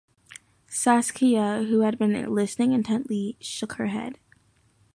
Saskia, who had been listening intently, shook her head.